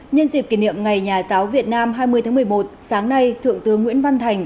nhân dịp kỷ niệm ngày nhà giáo việt nam hai mươi tháng một mươi một sáng nay thượng tướng nguyễn văn thành